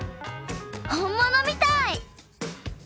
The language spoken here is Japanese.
ほんものみたい！